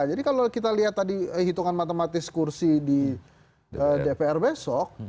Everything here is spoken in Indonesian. jadi kalau kita lihat tadi hitungan matematis kursi di dpr besok